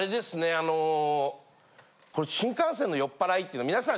あの新幹線の酔っ払いっていうの皆さん